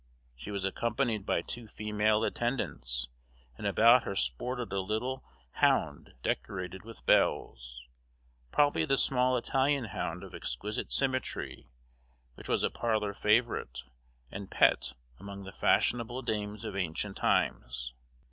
She was accompanied by two female attendants, and about her sported a little hound decorated with bells, probably the small Italian hound of exquisite symmetry which was a parlor favorite and pet among the fashionable dames of ancient times.